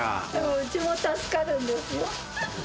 うちも助かるんですよ。